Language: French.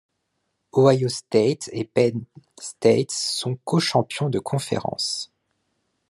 Ohio State et Penn State sont co-champions de conférence.